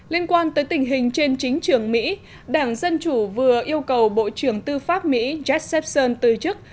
liên quan tới tình hình trên chính trường mỹ đảng dân chủ vừa yêu cầu bộ trưởng tư pháp mỹ jakshe từ chức